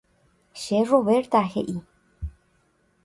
Che Roberta, he'i